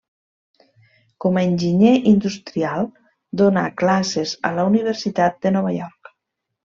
Com a enginyer industrial, donà classes a la Universitat de Nova York.